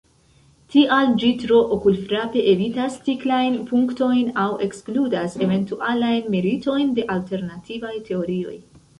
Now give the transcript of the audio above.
Tial ĝi tro okulfrape evitas tiklajn punktojn aŭ ekskludas eventualajn meritojn de alternativaj teorioj.